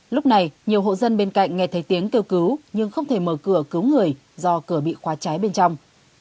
lúc này nhiều hộ dân bên cạnh nghe thấy tiếng kêu cứu nhưng không thể mở cửa cứu người do cửa bị khóa cháy bên trong